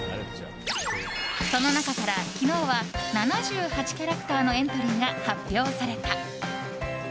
その中から昨日は７８キャラクターのエントリーが発表された。